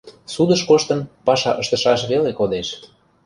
Судыш коштын паша ыштышаш веле кодеш.